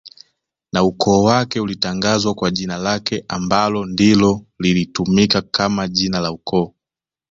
na ukoo wake ulitangazwa kwa jina lake anbalo ndilo lilitumika kama jina la ukoo